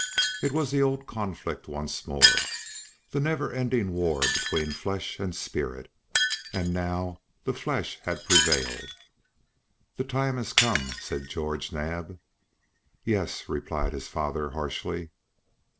It was the old conflict once more, the never ending war between flesh and spirit. And now the flesh had prevailed. "The time has come!" said George Naab. "Yes," replied his father, harshly.